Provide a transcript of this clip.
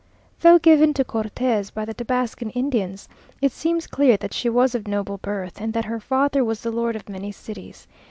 Though given to Cortes by the Tabascan Indians, it seems clear that she was of noble birth, and that her father was the lord of many cities.